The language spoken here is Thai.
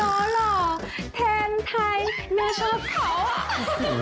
แทนไทยแม่ชอบเขา